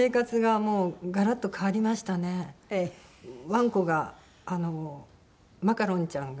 ワンコがあのマカロンちゃんが。